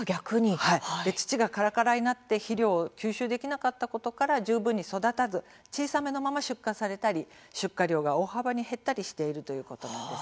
土がからからになって肥料を吸収できなかったことから十分に育たず、小さめのまま出荷されたり出荷量が大幅に減ったりしているということなんです。